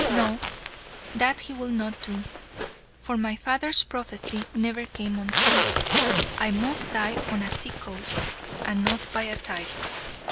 No; that he will not do. For my father's prophecy never came untrue. I must die on a sea coast, and not by a tiger."